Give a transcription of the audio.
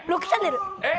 えっ？